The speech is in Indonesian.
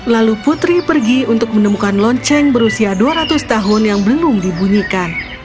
lalu putri pergi untuk menemukan lonceng berusia dua ratus tahun yang belum dibunyikan